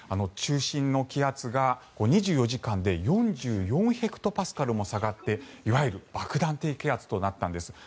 中心の気圧が２４時間で４４ヘクトパスカルも下がっていわゆる爆弾低気圧となったんです。